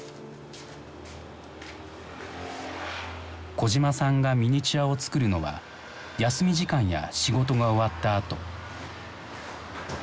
小島さんがミニチュアを作るのは休み時間や仕事が終わった後。